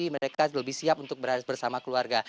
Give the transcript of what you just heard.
mereka lebih siap untuk bersama keluarga